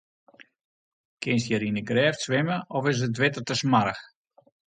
Kinst hjir yn 'e grêft swimme of is it wetter te smoarch?